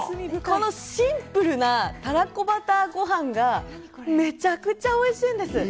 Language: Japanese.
このシンプルな、たらこバターごはんがめちゃくちゃおいしいんです。